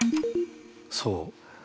そう。